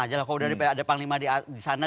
aja lah kalau udah ada panglima di sana